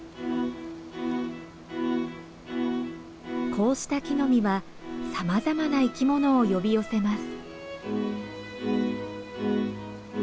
こうした木の実はさまざまな生き物を呼び寄せます。